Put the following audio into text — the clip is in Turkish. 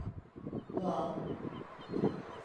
Doğal.